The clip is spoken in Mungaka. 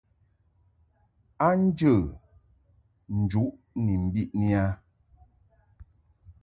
A njə njuʼ ni mbiʼni a.